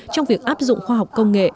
trong việc áp dụng khoa học công nghệ